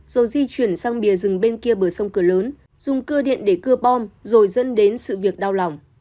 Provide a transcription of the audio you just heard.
rồi di chuyển sang bìa rừng bên kia bờ sông cửa lớn dùng cơ điện để cưa bom rồi dẫn đến sự việc đau lòng